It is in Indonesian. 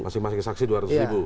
masih masih saksi dua ratus ribu